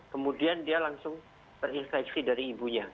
kemudian dia langsung terinfeksi dari ibunya